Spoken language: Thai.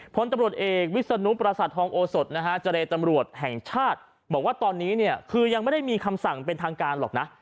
พลตำรวจเอกวิศนุประสาททองโอสดนะฮะเจรตำรวจแห่งชาติบอกว่าตอนนี้เนี่ยคือยังไม่ได้มีคำสั่งเป็นทางการหรอกนะ